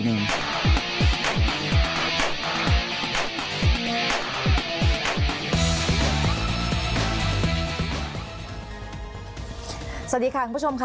มันกลัวเอิญอย่างนี้นะครับ